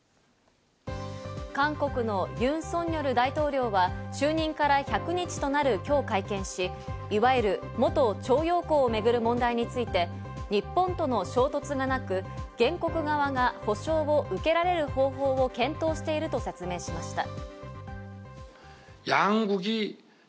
韓国のユン・ソンニョル大統領は就任から１００日となる今日、会見し、いわゆる元徴用工をめぐる問題について、日本との衝突がなく、原告側が保障を受けられる方法を検討していると説明しました。